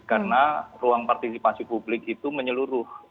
karena ruang partisipasi publik itu menyeluruh